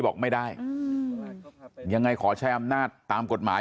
บอกไม่ได้ยังไงขอใช้อำนาจตามกฎหมาย